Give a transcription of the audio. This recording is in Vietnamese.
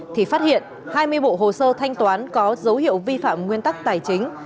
thì phát hiện hai mươi bộ hồ sơ thanh toán có dấu hiệu vi phạm nguyên tắc tài chính